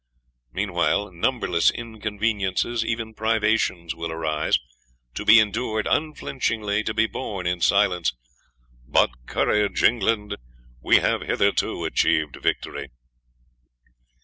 Meanwhile numberless inconveniences, even privations, will arise to be endured unflinchingly to be borne in silence. But courage, England, we have hitherto achieved victory.